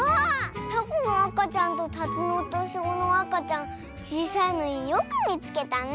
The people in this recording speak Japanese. タコのあかちゃんとタツノオトシゴのあかちゃんちいさいのによくみつけたね。